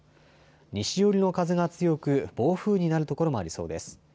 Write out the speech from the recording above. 西寄りの風が強く暴風になる所もありそうです。